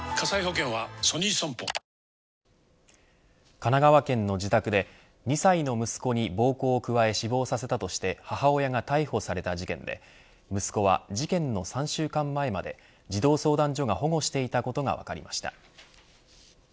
神奈川県の自宅で２歳の息子に暴行を加え死亡させたとして母親が逮捕された事件で息子は事件の３週間前まで児童相談所が保護していたことが分かりました。